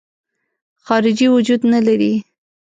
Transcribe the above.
خارجي وجود نه لري.